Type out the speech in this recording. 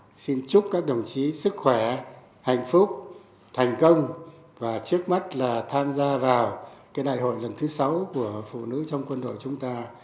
xin chúc các đồng chí sức khỏe hạnh phúc thành công và trước mắt là tham gia vào đại hội lần thứ sáu của phụ nữ trong quân đội chúng ta